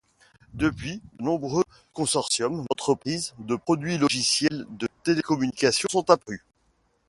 Depuis, de nouveaux consortiums d'entreprises de produits logiciels de télécommunications sont apparus.